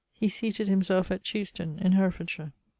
He seated himself at Cheuston, in Herefordshire.